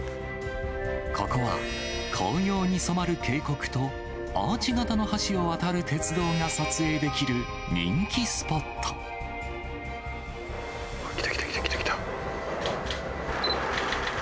ここは、紅葉に染まる渓谷とアーチ型の橋を渡る鉄道が撮影できる人気スポ来た、来た、来た。